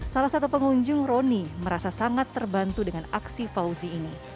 salah satu pengunjung roni merasa sangat terbantu dengan aksi fauzi ini